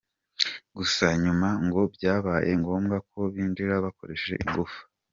Gusa nyuma ngo byabaye ngombwa ko binjira bakoresheje ingufu.